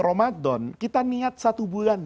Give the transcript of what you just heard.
ramadan kita niat satu bulan